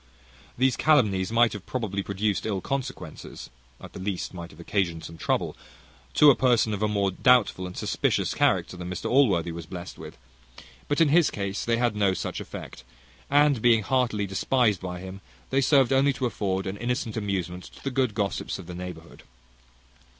These calumnies might have probably produced ill consequences, at the least might have occasioned some trouble, to a person of a more doubtful and suspicious character than Mr Allworthy was blessed with; but in his case they had no such effect; and, being heartily despised by him, they served only to afford an innocent amusement to the good gossips of the neighbourhood.